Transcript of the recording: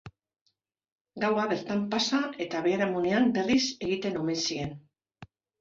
Gaua bertan pasa eta biharamunean berriz ekiten omen zien.